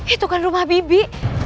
itu kan rumah bibi